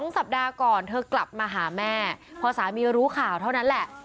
สัปดาห์ก่อนเธอกลับมาหาแม่พอสามีรู้ข่าวเท่านั้นแหละ